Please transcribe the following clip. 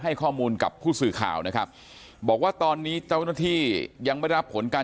ข้อมูลกับผู้สื่อข่าวนะครับบอกว่าตอนนี้เจ้าหน้าที่ยังไม่ได้รับผลการ